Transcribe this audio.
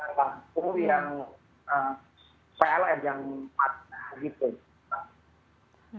jadi kami sedang memperbaiki perusahaan untuk memperbaiki jahat umum yang dikelola oleh dina sosial kabupaten sampang